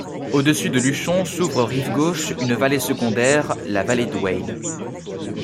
Au-dessus de Luchon s'ouvre rive gauche une vallée secondaire, la vallée d'Oueil.